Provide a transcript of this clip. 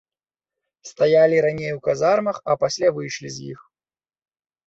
Стаялі раней у казармах, а пасля выйшлі з іх.